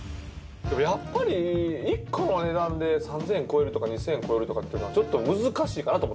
やっぱり１個の値段で３，０００円超えるとか２，０００円超えるとかってのはちょっと難しいかなと。